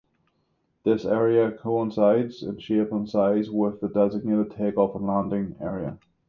This area coincides in shape and size with the designated take-off and landing area.